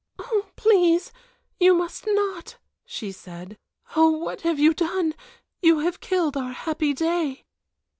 "Oh, please you must not," she said. "Oh, what have you done! you have killed our happy day."